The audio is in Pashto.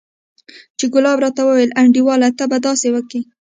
چې ګلاب راته وويل انډيواله ته به داسې وکې.